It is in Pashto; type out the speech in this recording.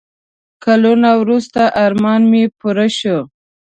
کلونه وروسته ارمان مې پوره شو.